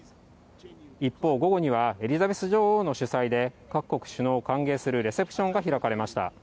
一方、午後にはエリザベス女王の主催で、各国首脳を歓迎するレセプションが開かれました。